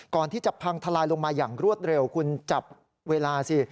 ก่อนที่จะพังทลายลงมาอย่างรวดเร็วคุณจับเวลาสิ